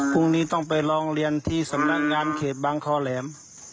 พรุ่งนี้ต้องไปร้องเรียนที่สำนักงานเขตบางคอแหลม